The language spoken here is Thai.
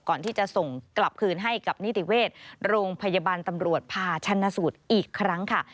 ก่อนที่จะส่งกลับคืนให้กับนิติเวชโรงพยาบาลตำรวจพาชันสูตรอีกครั้งค่ะ